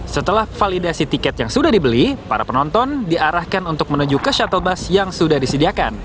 setelah validasi tiket yang sudah dibeli para penonton diarahkan untuk menuju ke shuttle bus yang sudah disediakan